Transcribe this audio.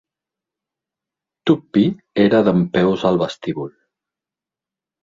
Tuppy era dempeus al vestíbul.